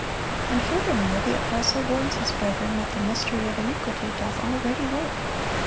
(69) And furthermore, the apostle warns his brethren that "the mystery of iniquity doth already work."